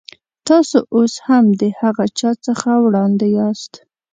تاسو اوس هم د هغه چا څخه وړاندې یاست.